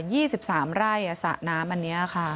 ยี่สิบสามไร่สระน้ำอันนี้ค่ะ